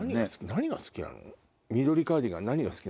何が好きなの？